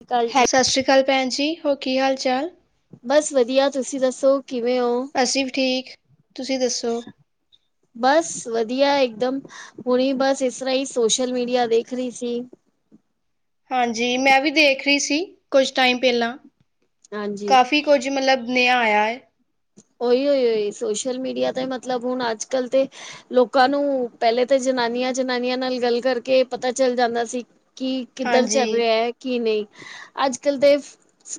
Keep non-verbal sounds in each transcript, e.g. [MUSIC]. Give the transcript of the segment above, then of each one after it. ਸਤਿ ਸ਼੍ਰੀ ਅਕਾਲ ਹੈ ਜੀ ਸਤਿ ਸ਼੍ਰੀ ਅਕਾਲ ਭੈਣ ਜੀ, ਹੋਰ ਕੀ ਹਾਲ ਚਾਲ ਬਸ ਵਧੀਆ, ਤੁਸੀਂ ਦੱਸੋ ਕਿਵੇਂ ਹੋ ਅਸੀਂ ਵੀ ਠੀਕ, ਤੁਸੀਂ ਦੱਸੋ ਬਸ ਵਧੀਆ ਇਕਦਮ ਹੁਣੀ ਬਸ ਇਸ ਤਰ੍ਹਾਂ ਹੀ, ਸੋਸ਼ਲ ਮੀਡੀਆ ਦੇਖ ਰਹੀ ਸੀ। ਹਾਂਜੀ, ਮੈਂ ਵੀ ਦੇਖ ਰਹੀ ਸੀ, ਕੁਝ ਟਾਈਮ ਪਹਿਲਾਂ, ਹਾਂਜੀ ਕਾਫੀ ਕੁਝ ਮਤਲਬ ਨੇਆ ਆਇਆ ਏ ਉਓਹੀ ਉ ਉਹੀ ਸੋਸ਼ਲ ਮੀਡੀਆ ਤੇ ਮਤਲਬ ਹੁਣ ਅੱਜ ਕੱਲ੍ਹ ਤੇ ਲੋਕਾਂ ਨੂੰ, ਪਹਿਲੇ ਤਾਂ ਜਨਾਨੀਆਂ ਜਨਾਨੀਆਂ ਨਾਲ ਗੱਲ ਕਰਕੇ ਪਤਾ ਚੱਲ ਜਾਂਦਾ ਸੀ ਕੀ ਕਿੱਧਰ ਹਾਂਜੀ ਚੱਲ ਰਿਹਾ ਹੈ ਕੀ ਨਹੀਂ, ਅੱਜ ਕੱਲ੍ਹ ਤਾਂ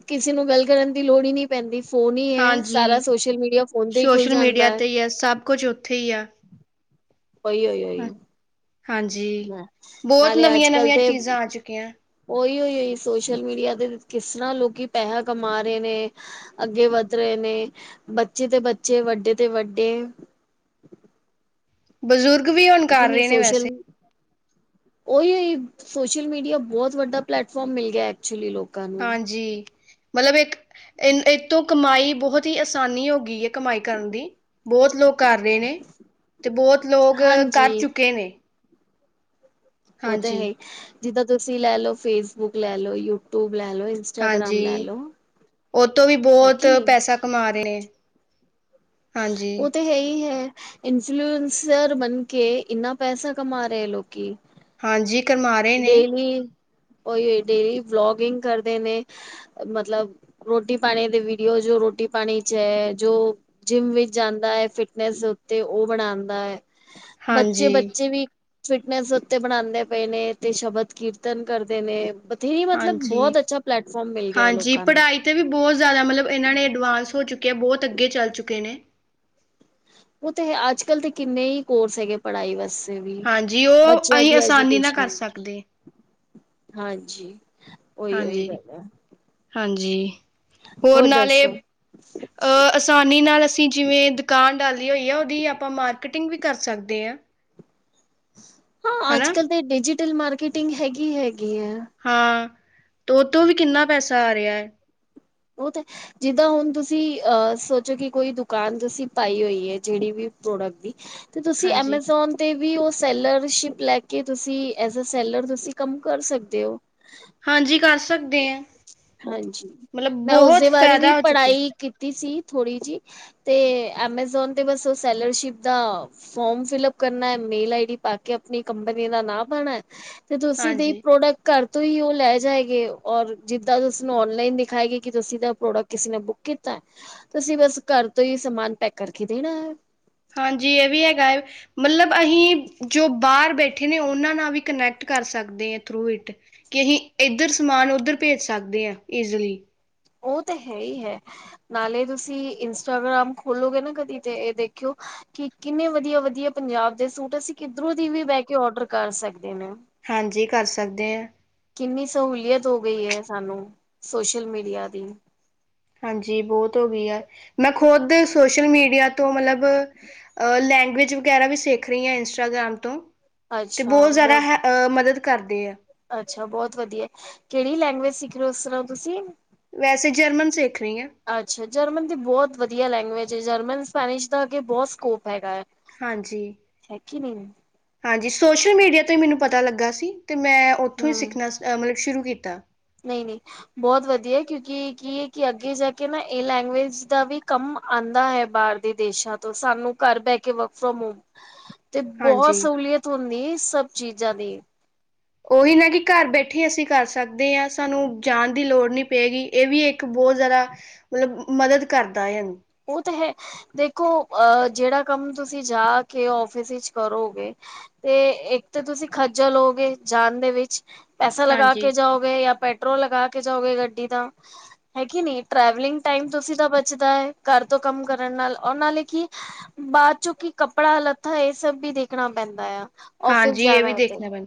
ਕਿਸੇ ਨੂੰ ਗੱਲ ਕਰਨ ਦੀ ਲੋੜ ਹੀ ਨਹੀਂ ਪੈਂਦੀ, ਫੋਨ ਹੀ ਹੈ। ਜੀ ਸਾਰਾ ਸੋਸ਼ਲ ਮੀਡੀਆ ਫੋਨ ਤੇ ਹੀ ਖੁੱਲ ਸੋਸ਼ਲ ਮੀਡੀਆ ਜਾਂਦਾ ਹੈ ਤੇ ਹੀ ਐ, ਸਭ ਕੁਛ ਉੱਥੇ ਹੀ ਆ ਉਹੀ ਹਾਂਜੀ, ਬਹੁਤ ਨਾਲੇ ਅੱਜ ਨਵੀਆਂ ਕੱਲ ਨਵੀਆਂ ਤੇ ਚੀਜ਼ਾਂ ਆ ਚੁੱਕੀਆਂ ਉਹੀ ਉਹੀ ਹੋਈ ਸੋਸ਼ਲ ਮੀਡੀਆ ਤੇ ਕਿਸ ਤਰ੍ਹਾਂ ਲੋਕੀ ਪੈਸਾ ਕਮਾ ਰਹੇ ਨੇ ਅੱਗੇ ਵੱਧ ਰਹੇ ਨੇ, ਬੱਚੇ ਤੇ ਬੱਚੇ, ਵੱਡੇ ਤੇ ਵੱਡੇ ਬਜ਼ੁਰਗ ਵੀ ਹੁਣ ਕਰ ਲੇਕਿਨ ਇਹ ਰਹੇ ਨੇ ਸੋਸ਼ਲ ਵੈਸੇ ਉਹੀ ਉਹੀ ਸੋਸ਼ਲ ਮੀਡੀਆ ਬਹੁਤ ਵੱਡਾ ਪਲੇੈਟਫਾਰਮ ਮਿਲ ਗਿਆ, ਐਕਚੁਲੀ ਲੋਕ ਹਾਂਜੀ ਮਤਲਬ ਇੱਕ ਇ ਇਹਤ ਤੋਂ ਕਮਾਈ ਬਹੁਤ ਹੀ ਆਸਾਨੀ ਹੋ ਗਈ ਹੈ, ਕਮਾਈ ਕਰਨ ਦੀ। ਬਹੁਤ ਲੋਕ ਕਰ ਰਹੇ ਨੇ, ਤੇ ਬਹੁਤ ਲੋਕ ਕਰ ਹਾਂਜੀ ਚੁੱਕੇ ਨੇ। ਉਹ ਤਾਂ ਹਾਂਜੀ, ਹੈ, ਜਿੱਦਾਂ ਤੁਸੀਂ ਲੈ ਲਓ ਫੇਸਬੁੱਕ ਲੈ ਲੋਓ, ਯੂਟਿਊਬ ਲੈ ਲਓ ਇੰਸਟਾਗ੍ਰਾਮ ਲੈ ਲਓ ਔ ਤੋਂ ਵੀ ਹੈ ਬਹੁਤ ਕਿ ਨਹੀਂ ਪੈਸਾ ਕਮਾ ਰਹੇ ਨੇ ਹਾਂਜੀ, ਉਹ ਤੇ ਹੈ ਹੀ ਹੈ। ਇਨਫਲੂਐੰਸਰ ਬਣ ਕੇ, ਇੰਨਾ ਪੈਸਾ ਕਮਾ ਰਹੇ ਲੋਕੀ ਹਾਂਜੀ ਕਮਾ ਰਹੇ ਨੇ। ਡੇਲੀ ਉਹੀ, ਡੇਲੀ ਵਲੋਗਿੰਗ ਕਰਦੇ ਨੇ ਮਤਲਬ ਰੋਟੀ ਪਾਣੀ ਦੇ ਵੀਡੀਓ, ਜੋ ਰੋਟੀ ਪਾਣੀ ਚ ਹੈ ਜੋ ਜਿੰਮ ਵਿੱਚ ਜਾਂਦਾ ਹੈ, ਫਿਟਨੈਸ ਉੱਤੇ, ਉਹ ਬਣਾਉਂਦਾ ਹੈ, ਬੱਚੇ ਹਾਂਜੀ, ਬੱਚੇ ਵੀ ਫਿਟਨੈਸ ਉੱਤੇ ਬਣਾਉਂਦੇ ਪਏ ਨੇ, ਤੇ ਸ਼ਬਦ ਕੀਰਤਨ ਕਰਦੇ ਨੇ ਇੱਥੇ ਹੀ ਮਤਲਬ, ਹਾਂਜੀ। ਬਹੁਤ ਅੱਛਾ ਪਲੈਟਫਾਰਮ ਮਿਲ ਗਿਆ ਹਾਂਜੀ, ਲੋਕਾਂ ਨੂੰ ਪੜ੍ਹਾਈ ਵੀ ਬਹੁਤ ਜ਼ਿਆਦਾ, ਮਤਲਬ ਇਹਨਾਂ ਨੇ ਐਡਵਾਂਸ ਹੋ ਚੁੱਕੇ ਆ, ਬਹੁਤ ਅੱਗੇ ਚੱਲ ਚੁੱਕੇ ਨੇ ਉਹ ਤੇ ਹੈ, ਅੱਜ ਕੱਲ੍ਹ ਤੇ ਕਿੰਨੇ ਹੀ ਕੋਰਸ ਹੈਗੇ, ਪੜ੍ਹਾਈ ਬਸ ਵੀ, ਹਾਂਜੀ, ਉਹ ਬੱਚਿਆਂ ਅਸੀਂ ਦੀ ਆਸਾਨੀ ਨਾਲ ਕਰ ਐਜੂਕੇਸ਼ਨ ਸਕਦੇ ਹਾਂਜੀ ਉਹੀ ਉਹੀ ਹਾਂਜੀ ਗੱਲ ਹੈ ਹਾਂਜੀ, ਹੋਰ ਨਾਲੇ ਹ [UNINTELLIGIBLE] ਆਸਾਨੀ ਨਾਲ ਅਸੀਂ ਜਿਵੇਂ ਦੁਕਾਨ ਡਾਲੀ ਹੋਈ ਆ, ਉਹਦੀ ਆਪਾਂ ਮਾਰਕੀਟਿੰਗ ਵੀ ਕਰ ਸਕਦੇ ਆਂ। ਹਾਂ ਅੱਜ ਹਨਾ, ਕੱਲ ਤੇ, ਡਿਜੀਟਲ ਮਾਰਕੀਟਿੰਗ ਹੈਗੀ ਹੈਗੀ ਹੈ ਹਾਂ ਤੇ ਉਹ ਤੋਂ ਵੀ ਕਿੰਨਾ ਪੈਸਾ ਆ ਰਿਹਾ ਹੈ ਉਹ ਤੇ ਜਿੱਦਾਂ ਹੁਣ ਤੁਸੀਂ ਅਹ ਸੋਚੋ ਕਿ ਕੋਈ ਦੁਕਾਨ ਤੁਸੀਂ ਪਾਈ ਹੋਈ ਹੈ ਜਿਹੜੀ ਵੀ ਪ੍ਰੋਡਕਟ ਦੀ। ਤੇ ਤੁਸੀਂ ਹਾਂਜੀ, ਐਮਾਜ਼ਾਨ ਤੇ ਵੀ ਉਹ ਸੈਲਰਸ਼ਿਪ ਲੈ ਕੇ ਤੁਸੀਂ ਐਜ ਅ ਸੈਲਰ ਤੁਸੀਂ ਕੰਮ ਕਰ ਸਕਦੇ ਹੋ। ਹਾਂਜੀ ਕਰ ਸਕਦੇ ਐ। ਹਾਂਜੀ ਮੈਂ ਉਸਦੇ ਬਾਰੇ ਵੀ ਫਾਇਦਾ ਹੋ ਚੁੱਕਿਆ ਪੜ੍ਹਾਈ ਕੀਤੀ ਸੀ ਥੋੜ੍ਹੀ ਜਿ। ਤੇ ਐਮਾਜ਼ੋਨ ਤੇ ਬਸ ਉਹ ਸੈਲਰਸ਼ਿਪ ਦਾ ਫੋਰਮ ਫਿਲਅਪ ਕਰਨਾ ਮੇਲ ਆਈ ਡੀ ਪਾ ਕੇ ਆਪਣੀ ਕੰਪਨੀ ਦਾ ਨਾਂ ਪਾਉਣਾ। ਤੇ ਤੁਸੀਂ ਦੀ ਹਾਂਜੀ ਪ੍ਰੋਡਕਟ ਘਰ ਤੋਂ ਹੀ ਉਹ ਲੈ ਜਾਏਗੇ ਔਰ ਜਿ ਤਦ ਉਸਨੂੰ ਔਨਲਾਈਨ ਦਿਖਾਏਗੀ ਕਿ ਤੁਸੀਂ ਦਾ ਪ੍ਰੋਡਕਟ ਕਿਸੇ ਨੇ ਬੁੱਕ ਕਿਤਾ। ਤੁਸੀਂ ਬਸ ਘਰ ਤੋਂ ਹੀ ਸਮਾਨ ਪੈਕ ਕਰਕੇ ਦੇਣਾ ਹੈ। ਹਾਂਜੀ ਇਹ ਵੀ ਹੈਗਾ ਹੈ। ਮਤਲਬ ਅਸੀਂ ਜੋ ਬਾਹਰ ਬੈਠੇ ਨੇ ਉਹਨਾਂ ਨਾਲ ਵੀ ਕਨੈਕਟ ਕਰ ਸਕਦੇ ਹ ਥਰੂ ਇਟ। ਕਿ ਅਸੀਂ ਇੱਧਰ ਸਮਾਨ ਉੱਧਰ ਭੇਜ ਸਕਦੇ ਹਾ ਇੱਸੀਲੀ। ਉਹ ਤੇ ਹੈ ਹੀ ਹੈ। ਨਾਲੇ ਤੁਸੀਂ ਇੰਸਟਾਗ੍ਰਾਮ ਖੋਲੋਗੇ ਨਾ ਕਦੀ ਤੇ ਇਹ ਦੇਖਿਓ। ਕਿ ਕਿੰਨੇ ਵਧੀਆ ਵਧੀਆ ਪੰਜਾਬ ਦੇ ਸੂਟ ਅਸੀਂ ਕਿਧਰੋਂ ਦੀ ਵੀ ਬਹਿ ਕੇ ੳਡਰ ਕਰ ਸਕਦੇ ਨੇ। ਹਾਂਜੀ ਕਰ ਸਕਦੇ ਹਾਂ। ਕਿੰਨੀ ਸਹੂਲੀਅਤ ਹੋ ਗਈ ਹੈ ਸਾਨੂੰ ਸੋਸ਼ਲ ਮੀਡਿਆ ਦੀ। ਹਾਂਜੀ ਬਹੁਤ ਹੋ ਗਈ ਆ ਮੈਂ ਖ਼ੁਦ ਸੋਸ਼ਲ ਮੀਡਿਆ ਤੋਂ ਮਤਲੱਬ ਲੈਂਗੁਏਜ ਵਗੈਰਾ ਵੀ ਸਿੱਖ ਰਹੀ ਹਾਂ ਇੰਸਟਾਗ੍ਰਾਮ ਤੋਂ। ਤੇ ਅੱਛਾ ਬਹੁੱਤ ਜ਼ਿਆਦਾ ਬਹੁਤ ਹੈ ਇਹ ਮਦੱਦ ਕਰਦੇ ਆ। ਅੱਛਾ ਬਹੁੱਤ ਵਧੀਆ ਕਿਹੜੀ ਲੈਂਗੁਏਜ ਸਿੱਖ ਰਹੇ ਹੋ ਉਸ ਤਰਾਂ ਤੁਸੀਂ। ਵੈਸੇ ਜਰਮਨ ਸਿੱਖ ਰਹੀ ਹਾਂ। ਅੱਛਾ ਜਰਮਨ ਦੀ ਬਹੁਤ ਵਧੀਆ ਲੈਂਗੁਏਜ ਹੈ ਜਰਮਨ ਸਪੈਨਿਸ਼ ਦਾ ਅੱਗੇ ਬਹੁਤ ਸਕੋਪ ਹੈਗਾ ਹੈ। ਹਾਂਜੀ ਹੈ ਕਿ ਨਹੀਂ ਹਾਂਜੀ ਸੋਸ਼ਲ ਮੀਡੀਆ ਤੋਂ ਈ ਮੈਨੂੰ ਪਤਾ ਲੱਗਾ ਸੀ ਤੇ ਮੈਂ ਉਥੋਂ ਉੱਥੋਂ ਹੀ ਸਿੱਖਣਾ ਅ ਮਤਲੱਬ ਸ਼ੁਰੂ ਕੀਤਾ। ਨਹੀਂ ਨਹੀਂ। ਬਹੁੱਤ ਵਧੀਆ ਕਿਉਂਕਿ ਕੀ ਹੈ ਕਿ ਅੱਗੇ ਜਾ ਕੇ ਨਾਂ ਇਹ ਲੈਂਗੁਏਜ ਦਾ ਵੀ ਕੰਮ ਆਉਂਦਾ ਹੈ ਬਾਹਰ। ਬਾਹਰ ਦੇ ਦੇਸ਼ਾਂ ਤੋਂ ਸਾਨੂੰ ਘਰ ਬਹਿ ਕੇ ਵਰਕ ਫਰੋਮ ਹੋਮ ਹ [UNINTELLIGIBLE] ਤੇ ਬਹੁੱਤ ਸਹੂਲੀਅਤ ਹੁੰਦੀ ਸਭ ਚੀਜ਼ਾਂ ਦੀ ਓਹੀ ਨਾ ਕਿ ਘਰ ਬੈਠੇ ਅਸੀਂ ਕਰ ਸਕਦੇ ਹਾਂ ਸਾਨੂੰ ਜਾਣ ਦੀ ਲੋੜ ਨਹੀਂ ਪਏਗੀ। ਇਹ ਵੀ ਇੱਕ ਬਹੁਤ ਜ਼ਿਆਦਾ ਮਤਲਬ ਮਦਦ ਕਰਦਾ ਹੈ ਹਨ। ਉਹ ਤਾਂ ਹੈ ਦੇਖੋ ਅ ਜਿਹੜਾ ਕੰਮ ਤੁਸੀਂ ਜਾ ਕੇ ਔਫੀਸ ਵਿੱਚ ਕਰੋਗੇ। ਤੇ ਇੱਕ ਤਾਂ ਤੁਸੀਂ ਖੱਜਲ ਹੋਓਗੇ ਜਾਣ ਦੇ ਵਿੱਚ ਪੈਸਾ ਲਗਾ ਹਾਂਜੀ, ਕੇ ਜਾਓ। ਤੇ ਪੈਟਰੋਲ ਲਗਾ ਕੇ ਜਾਓਗੇ ਗੱਡੀ ਦਾ ਹੈ ਕੇ ਨਹੀ ਟ੍ਰੈਵਲਿੰਗ ਟਾਈਮ ਜੌ ਸਿੱਧਾ ਬਚੱਦਾ ਹੈ ਘਰ ਤੋਂ ਕੰਮ ਕਰਨ ਨਾਲ ਉਹ ਨਾਲੇ ਕੀ। ਬਾਅਦ ਚੋਂ ਕਿ ਕੱਪੜਾ ਲੱਤਾ ਇਹ ਸਭ ਵੀ ਦੇਖਣਾ ਪੈਂਦਾ ਆ। ਆਫਿਸ ਹਾਂਜੀ ਇਹ ਵੀ ਜਾਣਾ ਤੇ ਦੇਖਣਾ ਪੈਣਾ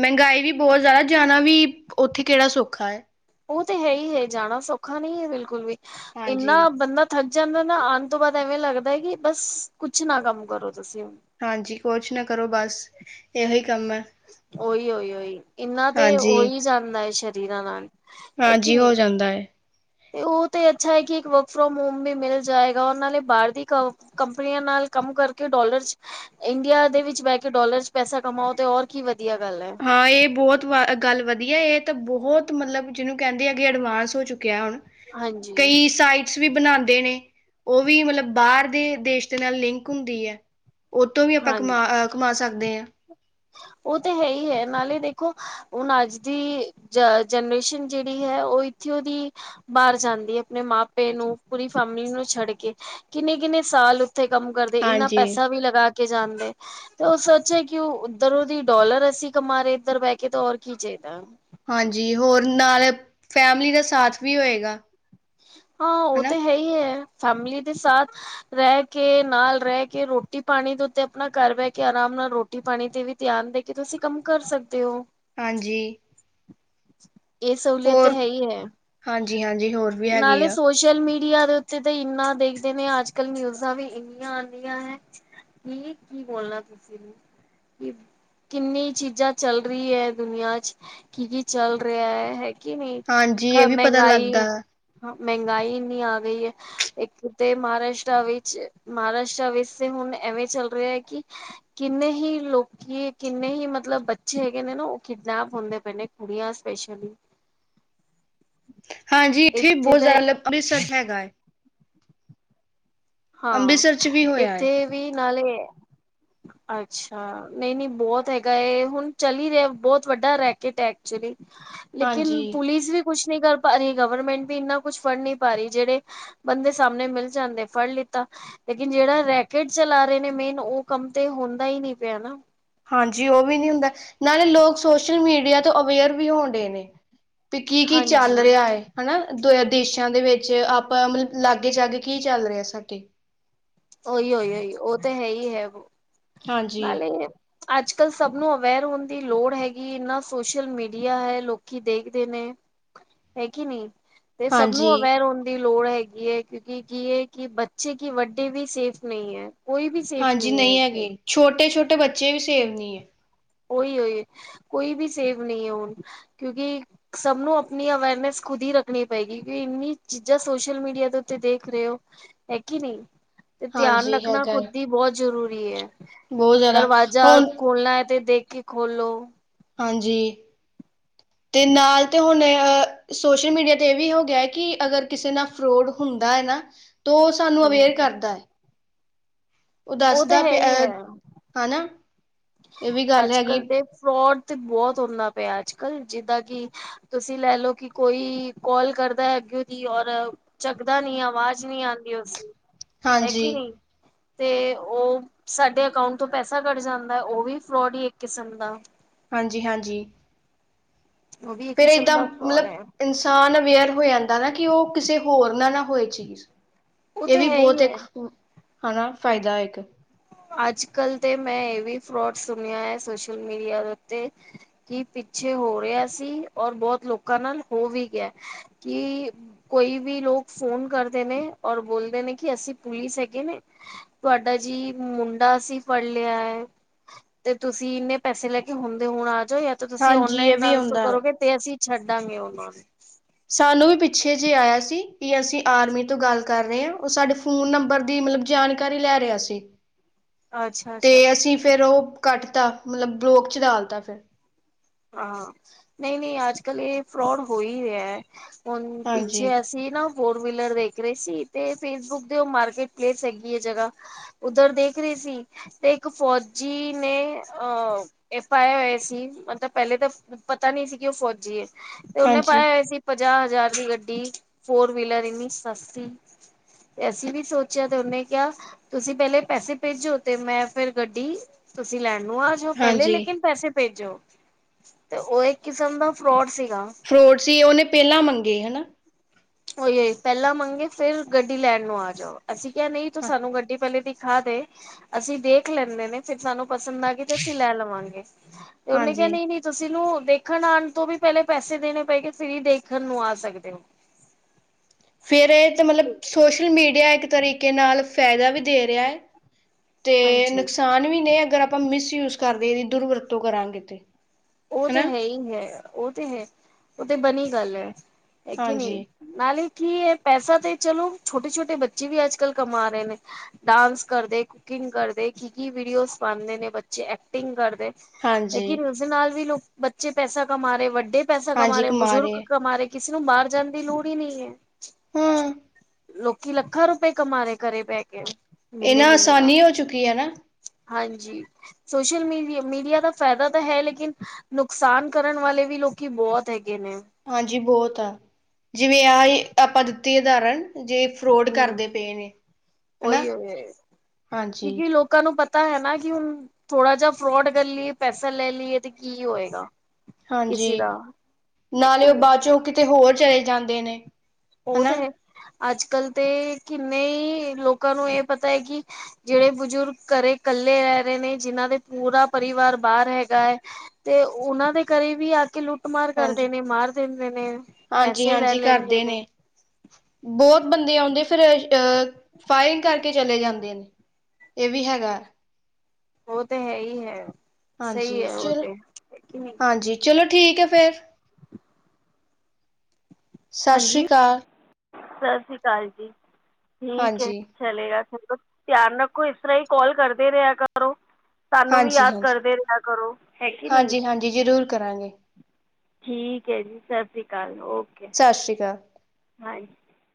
ਮਹਿੰਗਾਈ ਵੀ ਬੱਹੁਤ ਜ਼ਿਆਦਾ ਜਾਣਾ ਵੀ ਉੱਥੇ ਕਿਹੜਾ ਸੌਖਾ ਹੈ। ਉਹ ਤੇ ਹੈ ਹੀ ਹੈ ਜਾਣਾ ਸੌਖਾ ਨਹੀਂ ਹੈ ਬਿਲਕੁੱਲ ਵੀ ਹਾਂਜੀ, ਇੰਨਾ ਬੰਦਾ ਥੱਕ ਜਾਂਦਾ ਨਾ ਆਉਣ ਤੋਂ ਬਾਅਦ ਐਵੇਂ ਲੱਗਦਾ ਹੈ ਕਿ ਬੱਸ ਕੁੱਛ ਨਾ ਕੰਮ ਕਰੋ ਤੁਸੀਂ। ਹਾਂਜੀ ਕੁੱਛ ਨਾ ਕਰੋ ਬੱਸ ਏਹੇ ਹੀ ਕੰਮ ਹੈ। ਉਹੀ ਉਹੀ ਉਹੀ ਇਹਨਾਂ ਤੇ ਹਾਂਜੀ, ਉਹੀ ਜਾਂਦਾ ਹੈ ਸਰੀਰਾਂ ਨਾਲ। ਹੈ ਕਿ ਹਾਂਜੀ ਨਹੀਂ ਹੋ ਜਾਂਦਾ ਹੈ। ਤੇ ਉਹ ਤੇ ਅੱਛਾ ਹੈ ਕਿ ਇੱਕ ਵਰਕ ਫਰੋਮ ਹੋਮ ਵੀ ਮਿਲ ਜਾਏਗਾ ਉਹਨਾਂ ਨੇ ਬਾਹਰ ਦੀ ਕਮ ਕੰਪਨੀਆਂ ਨਾਲ ਕੰਮ ਕਰਕੇ ਡੋਲਰ ਚੱ ਇੰਡੀਆ ਦੇ ਵਿੱਚ ਬਹਿ ਕੇ ਡੋਲਰ ਚੱ ਪੈਸਾ ਕਮਾਓ ਤੇ ਹੋਰ ਕੀ ਵਧੀਆ ਗੱਲ ਹੈ। ਹਾਂ ਇਹ ਬਹੁੱਤ ਗੱਲ ਵਧੀਆ ਇਹ ਤਾਂ ਬਹੁਤ ਮਤਲੱਬ ਜਿਹਨੂੰ ਕਹਿੰਦੇ ਆ ਕਿ ਐਡਵਾਂਸ ਹੋ ਚੁੱਕਿਆ ਹੁਣ। ਹਾਂਜੀ ਕਈ ਸਾਈਟ ਕੁੱਛ ਵੀ ਬਣਾਂਦੇ ਨੇ, ਉਹ ਵੀ ਮਤਲੱਬ ਬਾਹਰ ਦੇ ਦੇਸ਼ ਦੇ ਨਾਲ ਲਿੰਕ ਹੁੰਦੀ ਹੈ। ਓਹਤੋਂ ਵੀ ਆਪਾਂ ਹਾਂਜੀ ਕਮਾ, ਕਮਾ ਸਕਦੇ ਆਂ। ਉਹ ਤਾਂ ਹੈਹੀ ਏ, ਨਾਲੇ ਦੇਖੋ ਹੁਨ ਅੱਜ ਦੀ ਜਨਰੇਸ਼ਨ ਜਿਹੜੀ ਹੈ, ਉਹ ਇੱਥੇ ਓਹਦੀ ਬਾਹਰ ਜਾਂਦੀ ਹੈ, ਆਪਣੇ ਮਾਪੇ ਨੂੰ, ਪੂਰੀ ਫੈਮਿਲੀ ਨੂੰ ਛੱਡਕੇ ਕਿੰਨੇ-ਕਿੰਨੇ ਸਾਲ ਉਥੇ ਕੰਮ ਕਰਦੇ, ਇੰਨਾ ਹਾਂਜੀ ਪੈਸਾ ਵੀ ਲਗਾਕੇ ਜਾਂਦੇ, ਤੇ ਉਹ ਸੋਚੇ ਕਿ ਉਹ ਇਧਰੋਂ ਦੀ ਡੋਲਰ ਅਸੀਂ ਕਮਾ ਰਹੇ, ਇੱਧਰ ਬਹਿਕੇ ਤਾਂ ਹੋਰ ਕੀ ਚਾਹੀਦਾ। ਹਾਂਜੀ। ਹੋਰ, ਨਾਲ ਫੈਮਲੀ ਦਾ ਸਾਥ ਵੀ ਹੋਇਗਾ। ਹਾਂ, ਉਹ ਤੇ ਹੈਹੀ ਹੈ, ਫੈਮਲੀ ਦੇ ਸਾਥ ਰਹਿਕੇ, ਨਾਲ ਰਹਿਕੇ, ਰੋਟੀ-ਪਾਣੀ ਦੇ ਉੱਤੇ ਆਪਣਾ ਘਰ ਬਹਿਕੇ ਆਰਾਮ ਨਾਲ ਰ੍ਹੋ ਰੋਟੀ-ਪਾਣੀ ਤੇ ਵੀ ਧਿਆਨ ਦੇਕੇ, ਤੁਸੀਂ ਕੰਮ ਕਰ ਸਕਦੇ ਹੋ। ਹਾਂਜੀ। ਇਹ ਸਹੂਲੀਅਤ ਤੇ, ਹੈਹੀ ਹੈ। ਹਾਂਜੀ-ਹਾਂਜੀ, ਹੋਰ ਵੀ ਹੈਗੇ ਨਾਲੇ ਸੋਚ ਆ ਸੋਸ਼ਲ ਮੀਡੀਆ ਦੇ ਉੱਤੇ ਇੰਨਾ ਦੇਖਦੇ ਨੇ, ਅੱਜ-ਕਲ ਨਿਊਜਾਂ ਵੀ ਇਨੀਆਂ ਆਂਦੀਆਂ ਹੈ। ਕੀ, ਕੀ ਬੋਲਣਾ ਤੁਸੀਂ ਨੂੰ, ਕੀ ਕਿੰਨੀ ਚੀਜ਼ਾਂ ਚੱਲ ਰਹੀ ਹੈ, ਦੁਨੀਆਂ'ਚ ਕੀ-ਕੀ ਚੱਲ ਰਿਹਾ ਹੈ। ਕਿ ਨਹੀਂ, ਹਾਂਜੀ ਇਹ ਵੀ ਪਤਾ ਮਹਿੰਗਾਈ, ਲੱਗਦਾ ਹ ਮਹਿੰਗਾਈ ਇਹਨੀ ਆ ਗਈ ਹੈ। ਇੱਕ ਤੇ ਮਹਾਰਾਸ਼ਟਰਾ ਵਿੱਚ, ਮਹਾਰਾਸ਼ਟਰਾ ਵਿੱਚ ਤੇ ਹੁਣ ਐਵੇਂ ਚੱਲ ਰਿਹਾ ਹੈ, ਕਿ ਕਿੰਨੇ ਹੀ ਲੋਕ ਕਿ, ਕਿੰਨੇ ਹੀ ਮਤਲਬ ਬੱਚੇ ਹੈਗੇ ਨੇ ਨਾ ਉਹ ਕਿਡਨੈਪ ਹੁੰਦੇ ਪਏ ਨੇ, ਕੁੜੀਆਂ ਸਪੈਸ਼ਲੀ ਹਾਂਜੀ, ਇੱਥੇ ਬਹੁਤ ਜ਼ਿਆਦਾ ਲਬ ਅੰਤਸਰ ਹੈਗਾ ਏ। ਹਾਂ, ਅੰਮ੍ਰਿਤਸਰ ਚ ਇੱਥੇ ਵੀ ਨਾਲੇ ਹ। ਅੱਛਾ। ਨਹੀਂ-ਨਹੀਂ ਬਹੁਤ ਹੈਗਾ ਏ, ਹੁਣ ਚੱਲ ਹੀ ਰਿਹਾ ਬਹੁਤ ਵੱਡਾ ਰੈਕੇਟ ਹੈ, ਐਕਚੁਲੀ। [INAUDIBLE] ਲੇਕਿਨ ਪੁਲਿਸ ਵੀ ਕੁਛ ਨਹੀਂ ਕਰ ਪਾ ਰਹੀ, ਗਵਰਮੈਂਟ ਵੀ ਇਨਾ ਕੁਛ ਫੜ ਨਹੀਂ ਪਾ ਰਹੀ। ਜਿਹੜੇ ਬੰਦੇ ਸਾਹਮਣੇ ਮਿਲ ਜਾਂਦੇ, ਫੜ ਲਿੱ ਤਾ ਲੇਕਿਨ ਜਿਹੜਾ ਰੈਕੇਟ ਚਲਾ ਰਹੇ ਨੇ ਮੇਨ, ਉਹ ਕੰਮ ਤੇ ਹੁੰਦਾ ਹੀ ਨਹੀਂ ਪਿਆ ਨਾ। ਹਾਂਜੀ ਉਹ ਵੀ ਨਹੀਂ ਹੁੰਦਾ, ਨਾਲੇ ਲੋਕ ਸੋਸ਼ਲ-ਮੀਡੀਆ ਤੋਂ ਅਵੇਅਰ ਵੀ ਹੋਣਡੇ ਨੇ। ਤੇ, ਕੀ-ਕੀ ਹਾਂਜੀ ਚੱਲ ਰਿਹਾ ਏ। ਹਨਾ ਦ, ਦੇਸ਼ਾਂ ਦੇ ਵਿੱਚ ਆਪਾਂ, ਮਤਲਬ ਲਾਗੇ-ਚਾਗੇ ਕੀ ਚੱਲ ਰਿਹਾ ਆ ਸਾਡੇ। ਉਹੀ-ਉਹੀ-ਉਹੀ, ਉਹ ਤਾਂ ਹੈਹੀ ਹੈ, ਹਾਂਜੀ ਨਾਲੇ ਅੱਜ-ਕੱਲ ਸਭ ਨੂੰ ਅਵੇਅਰ ਹੋਣ ਦੀ ਲੋੜ ਹੈਗੀ ਏ, ਇੰਨਾ ਸੋਸ਼ਲ-ਮੀਡੀਆ ਹੈ, ਲੋਕ ਲੋਕੀ ਦੇਖਦੇ ਨੇ, ਹੈ, ਕੀ ਨਹੀਂ। ਤੇ ਸਭ ਨੂੰ ਹਾਂਜੀ ਅਵੇਅਰ ਹੋਣ ਦੀ ਲੋੜ ਹੈਗੀ ਹੈ, ਕਿਉਂਕਿ ਕੀ ਏ, ਕਿ ਬੱਚੇ ਕੀ, ਵੱ ਵੱਡੇ ਵੀ ਸੇਫ ਨਹੀਂ ਹੈ, ਕੋਈ ਵੀ ਸੇਫ ਨਹੀਂ ਹੈ, ਇੱਥੇ। ਛੋਟੇ-ਛੋਟੇ ਬੱਚੇ ਵੀ, ਸੇਫ ਨਹੀਂ ਹੈ। ਓਹੀ-ਉਹੀ ਕੋਈ ਵੀ ਸੇਵ ਨਹੀਂ ਹੈ ਹੁਣ, ਕਿਉਂਕਿ ਸਭ ਨੂੰ ਆਪਣੀ ਅਵੇਅਰਨੈਸ ਖੁਦ ਹੀ ਰੱਖਣੀ ਪਏਗੀ, ਕਿ ਇੰਨੀ ਚੀਜ਼ਾਂ ਸੋਸ਼ਲ-ਮੀਡੀਆ ਦੇ ਉੱਤੇ ਦੇਖ ਰਹੇ ਹੋ। ਹੈ, ਕੀ ਨਹੀਂ? ਤੇ ਧਿਆਨ ਹਾਂਜੀ ਰੱਖਣਾ ਹੈਗਾ ਖੁਦ ਹੈ ਹੀ ਬਹੁਤ ਜ਼ਰੂਰੀ ਹੈ, ਬਹੁਤ ਜ਼ਿਆਦਾ ਦਰਵਾਜ਼ਾ ਹੁਣ ਖੋਲਣਾ ਹੈ, ਤੇ ਦੇਖਕੇ ਖੋਲੋ। ਹਾਂਜੀ, ਤੇ ਨਾਲ ਤੇ ਹੁਣ, ਅ ਸੋਸ਼ਲ-ਮੀਡੀਆ ਤੇ ਇਹ ਵੀ ਹੋਗਿਆ ਕਿ, ਅਗਰ ਕਿਸੇ ਨਾਲ ਫਰੋਡ ਹੁੰਦਾ ਹੈ ਨਾ, ਤੋ ਤੁਹਾਨੂੰ ਅਵੇਅਰ ਹਾਂਜੀ ਕਰਦਾ ਐ। ਉਹ ਤਾਂ ਦੱਸਦਾ ਹੈ ਪਿਆ, ਅ, ਹਨਾ। ਇਹ ਵੀ ਗੱਲ ਅੱਜ-ਕਲ ਹੈਗੀ ਤੇ ਫਰੌਡ ਤੇ ਬਹੁਤ ਹੁੰਦਾ ਪਿਆ, ਅੱਜ-ਕਲ ਜਿੱਦਾਂ ਕਿ ਤੁਸੀਂ ਲੈਲੋ ਕਿ ਕੋਈ, ਕੌਲ ਕਰਦਾ ਏ, ਅੱਗਿਓ ਦੀ ਔਰ ਚੱਕਦਾ ਨੀ ਆਵਾਜ਼ ਨੀ ਆਉਂਦੀ ਉਸ ਦੀ ਹੈ ਕੀ ਹਾਂਜੀ, ਨਹੀਂ ਤੇ ਉਹ ਸਾਡੇ ਅਕਾਊਟ ਤੋਂ ਪੈਸਾ ਕੱਟ ਜਾਂਦਾ। ਉਹ ਵੀ ਫਰੋਡ ਹੀ ਇੱਕ ਕਿਸਮ ਦਾ। ਹਾਂਜੀ ਹਾਂਜੀ। ਉਹ ਵੀ ਇੱਕ ਕਿਸਮ ਦਾ ਫਰੋਡ ਹੈ। ਤਾਂ ਅਵੇਅਰ ਹੋ ਜਾਂਦਾ ਨਾ ਕਿ ਉਹ ਕਿਸੇ ਹੋਰ ਨਾ ਹੋਏ ਚੀਜ਼। ਉਹ ਇਹ ਤੇ ਵੀ ਹੈ ਬਹੁਤ ਹੀ ਇੱਕ ਹੈ ਹਨਾ ਫਾਇਦਾ ਇੱਕ। ਅੱਜ ਕੱਲ ਤੇ ਮੈਂ ਇਹ ਵੀ ਫਰੋਡ ਸੁਣਿਆ ਹੈ ਸੋਸ਼ਲ ਮੀਡੀਆ ਉੱਤੇ। ਕੀ ਪਿੱਛੇ ਹੋ ਰਿਹਾ ਸੀ ਔਰ ਬਹੁਤ ਲੋਕਾਂ ਨਾਲ ਹੋ ਵੀ ਗਿਆ ਕਿ ਕੋਈ ਵੀ ਲੋਕ ਫੋਨ ਕਰਦੇ ਨੇ ਔਰ ਬੋਲਦੇ ਨੇ ਕਿ ਅਸੀਂ ਪੁਲਿਸ ਹੈਗੇ ਨੇ। ਤੁਹਾਡਾ ਜੀ। ਮੁੰਡਾ ਅਸੀਂ ਫੜ ਲਿਆ ਹੈ ਤੇ ਤੁਸੀਂ ਇੰਨੇ ਪੈਸੇ ਲੈ ਕੇ ਹੁਣ ਹੁਣ ਆ ਜਾਓ। ਤੁਸੀਂ ਹਾਂਜੀ ਇਹ ਔਨਲਾਈਨ ਵੀ ਟਰਾਂਸਫਰ ਹੁੰਦਾ ਹੈ। ਕਰੋਗੇ ਤੇ ਅਸੀਂ ਛੱਡਾਂਗੇ ਉਹਨਾਂ ਨੂੰ। ਸਾਨੂੰ ਵੀ ਪਿੱਛੇ ਜਿਹੇ ਆਇਆ ਸੀ ਕਿ ਅਸੀਂ ਆਰਮੀ ਤੋਂ ਗੱਲ ਕਰ ਰਹੇ ਹਾਂ ਉਹ ਸਾਡੇ। ਫੋਨ ਨੰਬਰ ਦੀ ਮਤਲਬ ਜਾਣਕਾਰੀ ਲੈ ਰਿਹਾ ਸੀ। ਨੂੰ ਅੱਛਾ ਤੇ ਅੱਛਾ ਅਸੀਂ ਫਿਰ ਉਹ ਕੱਟ ਤਾਂ ਮਤਲਬ ਬਲੋਕ ਚ ਡਾਲਤਾ ਫਿਰ ਹਾਂ ਨਹੀਂ ਨਹੀਂ ਅੱਜ ਕੱਲ ਇਹ ਫਰੋਡ ਹੋ ਹੀ ਰਿਹਾ ਹੁਣ ਪਿੱਛੇ। ਹਾਂਜੀ, ਅਸੀਂ ਨਾ ਫੋਰ ਵੀਲਰ ਦੇਖ ਰਹੇ ਸੀ ਤੇ ਫੇਸਬੁੱਕ ਦੇ ਉਹ ਮਾਰਕੀਟ ਪਲੇਸ ਹੈਗੀ ਹੈ ਜਗ੍ਹਾ। ਉੱਧਰ ਦੇਖ ਰਹੇ ਸੀ। ਤੇ ਇੱਕ ਫੌਜੀ ਨੇ ਅਹ ਐਫ ਆਈ ਆਰ ਹੋਏ ਸੀ ਮਤਲਬ। ਪਹਿਲੇ ਤਾਂ ਪਤਾ ਨਹੀਂ ਸੀ ਕਿ ਉਹ ਫੌਜੀ ਤੇ ਉਹਨੇ ਪਾਇ ਹਾਂਜੀ, ਹੋਇਆ ਸੀ। ਪੰਜਾਹ ਹਜ਼ਾਰ ਦੀ ਗੱਡੀ ਫੋਰ ਵੀਲਰ ਇੰਨੀ ਸਸਤੀ ਤੇ ਅਸੀਂ ਵੀ ਸੋਚਿਆ ਤੇ ਉਹਨੇ ਕਿਹਾ ਤੁਸੀਂ ਪਹਿਲੇ ਪੈਸੇ ਭੇਜੋ ਤੇ ਮੈਂ ਫਿਰ ਗੱਡੀ ਤੁਸੀਂ ਲੈਣ ਨੂੰ ਆ ਦੋ ਪਹਿਲੇ ਹਾਂਜੀ ਲੇਕਿਨ ਪੈਸੇ ਭੇਜੋ ਤੇ ਉਹ ਇੱਕ ਕਿਸਮ ਦਾ ਫਰੋਡ ਸੀਗਾ ਫਰੋਡ ਸੀ ਉਹਨੇ ਪਹਿਲਾਂ ਮੰਗੇ ਹੈਨਾ ਉਹੀ ਪਹਿਲਾਂ ਮੰਗੇ ਫਿਰ ਗੱਡੀ ਲੈਣ ਨੂੰ ਆ ਜਾਓ ਅਸੀਂ ਕਿਹਾ ਨਹੀਂ ਤੂੰ ਹਾਂ, ਸਾਨੂੰ ਗੱਡੀ ਪਹਿਲੇ ਦੇ ਥਾਂ ਤੇ ਅਸੀਂ ਦੇਖ ਲੈਂਦੇ ਨੇ ਫਿਰ ਸਾਨੂੰ ਪਸੰਦ ਆ ਗਏ ਤੇ ਅਸੀਂ ਲੈ ਲਵਾਂਗੇ ਤੇ ਉਹਨੇ ਕਿਹਾ ਹਾਂਜੀ। ਨਹੀਂ ਨਹੀਂ ਤੁਸੀਂ ਨੂੰ ਦੇਖਣ ਆਉਣ ਤੋਂ ਵੀ ਪਹਿਲੇ ਪੈਸੇ ਦੇਣੇ ਪਏਂਗੇ ਫਿਰ ਈ ਦੇਖਣ ਨੂੰ ਆ ਸਕਦੇ ਹੋ। ਫਿਰ ਇਹ ਤਾਂ ਮਤਲਬ ਸੋਸ਼ਲ ਮੀਡੀਆ ਇੱਕ ਤਰੀਕੇ ਨਾਲ ਫਾਇਦਾ ਵੀ ਦੇ ਰਿਹਾ ਹੈ। ਤੇ ਹਾਂਜੀ ਨੁਕਸਾਨ ਵੀ ਨੇ ਅਗਰ ਆਪਾਂ ਮਿਸਯੂਜ ਕਰਦੇ ਦੁਰ ਵਰਤੋਂ ਕਰਾਂਗੇ ਤੇ ਉਹ ਹਨਾ ਤੇ ਹੈ ਹੀ ਹੈ ਉਹ ਤੇ ਹੈ ਉਹ ਤੇ ਬਣੀ ਗੱਲ ਹੈ ਹੈ ਕਿ ਨਹੀਂ ਹਾਂਜੀ ਨਾਲੇ ਕੀ ਹੈ ਪੈਸਾ ਤੇ ਚਲੋ ਛੋਟੇ ਛੋਟੇ ਬੱਚੇ ਵੀ ਅੱਜ ਕੱਲ ਕਮਾ ਰਹੇ ਨੇ ਡਾਂਸ ਕਰਦੇ ਕੁਕਿੰਗ ਕਰਦੇ ਕੀ ਕੀ ਵੀਡੀਓਜ਼ ਬਣਦੇ ਨੇ ਬੱਚੇ ਐਕਟਿੰਗ ਕਰਦੇ ਹੈ ਹਾਂਜੀ ਕੀ ਉਸਦੇ ਨਾਲ ਵੀ ਲੋਕ ਬੱਚੇ ਪੈਸਾ ਕਮਾ ਰਹੇ ਵੱਡੇ ਪੈਸਾ ਕਮਾ ਰਹੇ ਬਜ਼ੁਰਗ ਕਮਾ ਰਹੇ ਕਿਸੇ ਨੂੰ ਬਾਹਰ ਜਾਣ ਦੀ ਲੋੜ ਹੀ ਨਹੀਂ ਹੈ। ਹਾਂ ਲੋਕੀ ਲੱਖਾਂ ਰੁਪਏ ਕਮਾ ਰਹੇ ਘਰੇ ਬੈ ਕੇ ਇਹ ਮਹੀਨੇ ਨਾ ਦਾ ਆਸਾਨੀ ਹੋ ਚੁੱਕੀ ਹੈ ਨਾ ਹਾਂਜੀ ਸੋਸ਼ਲ ਮੀਡੀ ਮੀਡੀਆ ਦਾ ਫਾਇਦਾ ਤਾਂ ਹੈ ਲੇਕਿਨ ਲੇਕਿਨ ਨੁਕਸਾਨ ਕਰਨ ਵਾਲੇ ਵੀ ਲੋਕੀ ਬਹੁਤ ਹੈਗੇ ਨੇ ਹਾਂਜੀ ਬਹੁਤ ਆ ਜਿਵੇਂ ਆ ਹੀ ਆਪਾਂ ਦਿੱਤੀ ਉਦਾਹਰਨ ਜੇ ਫਰੋਡ ਹੂੰ, ਕਰਦੇ ਪਏ ਨੇ ਹੈਨਾ ਉਹੀ ਹਾਂਜੀ ਕਿਉਂਕਿ ਲੋਕਾਂ ਨੂੰ ਪਤਾ ਹੈ ਨਾ ਕਿ ਹੁਣ ਥੋੜਾ ਜਿਹਾ ਫਰੋਡ ਕਰ ਲਈਏ ਪੈਸਾ ਲੈ ਲਈਏ ਤੇ ਕੀ ਹੋਏਗਾ ਹਾਂਜੀ ਕਿਸੇ ਦਾ ਹੈ ਕਿ ਨਾਲੇ ਉਹ ਨਹੀਂ ਬਾਅਦ ਚੋਂ ਕਿਤੇ ਹੋਰ ਚਲੇ ਜਾਂਦੇ ਨੇ ਉਹ ਹਨਾ ਤਾਂ ਹੈ ਅੱਜ ਕੱਲ ਤੇ ਕਿੰਨੇ ਹੀ ਲੋਕਾਂ ਨੂੰ ਇਹ ਪਤਾ ਹੈ ਕਿ ਜਿਹੜੇ ਬਜ਼ੁਰਗ ਘਰੇ ਕੱਲੇ ਰਹਿ ਰਹੇ ਨੇ ਜਿਨਾਂ ਦੇ ਪੂਰਾ ਪਰਿਵਾਰ ਬਾਹਰ ਹੈਗਾ ਹੈ। ਤੇ ਉਹਨਾਂ ਦੇ ਘਰੇ ਵੀ ਆ ਕੇ ਲੁੱਟ ਲੁੱਟ ਮਾਰ ਹਾਂਜੀ ਕਰਦੇ ਨੇ ਮਾਰ ਦਿੰਦੇ ਨੇ ਹਾਂਜੀ ਪੈਸੇ ਲੈ ਹਾਂਜੀ ਲੈਂਦੇ ਕਰਦੇ ਨੇ ਬਹੁਤ ਬੰਦੇ ਆਉਂਦੇ ਫਿਰ ਅਹ ਫਾਇਰਿੰਗ ਕਰਕੇ ਚਲੇ ਜਾਂਦੇ ਨੇ ਇਹ ਵੀ ਹੈਗਾ ਉਹ ਤੇ ਹੈ ਹੀ ਹੈ। ਸਹੀ ਹਾਂਜੀ ਹੈ ਉਹ ਚਲੋ, ਤੇ ਹੈ ਕਿ ਨਹੀਂ ਹਾਂਜੀ ਚਲੋ, ਠੀਕ ਹੈ ਫਿਰ। ਸਤਿ ਸ਼੍ਰੀ ਹਾਂਜੀ ਅਕਾਲ। ਸਤਿ ਸ਼੍ਰੀ ਅਕਾਲ ਜੀ, ਠੀਕ ਹੈ। ਹਾਂਜੀ ਚਲੇਗਾ ਚਲੋ ਧਿਆਨ ਰੱਖੋ। ਇਸ ਤਰ੍ਹਾਂ ਹੀ ਕਾਲ ਕਰਦੇ ਰਿਹਾ ਕਰੋ। ਸਾਨੂੰ ਵੀ ਹਾਂਜੀ ਯਾਦ ਕਰਦੇ ਰਿਹਾ ਕਰੋ ਹੈ ਕਿ ਨਹੀਂ। ਜੀ ਜ਼ਰੂਰ ਕਰਾਂਗੇ। ਠੀਕ ਹੈ ਜੀ, ਸਤਿ ਸ਼੍ਰੀ ਅਕਾਲ। ਓਕੇ ਸਤਿ ਸ਼੍ਰੀ ਅਕਾਲ। ਹਾਂਜੀ